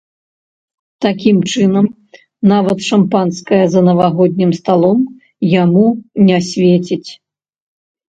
Такім чынам, нават шампанскае за навагоднім сталом яму не свеціць.